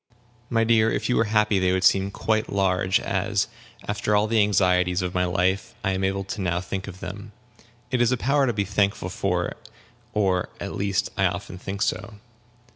"My dear, if you were happy, they would seem quite large, as, after all the anxieties of my life, I am able now to think them. It is a power to be thankful for, or, at least, I often think so.